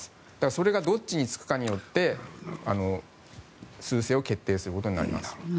それがどっちにつくかによってすう勢を決定することになります。